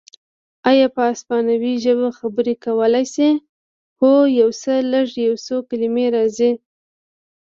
ایا په اسپانوي ژبه خبرې کولای شې؟ هو، یو څه لږ، یو څو کلمې راځي.